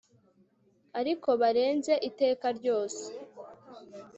Ariko barenze iteka ryose